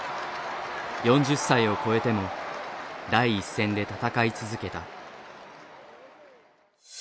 ４０歳を超えても第一線で戦い続けた。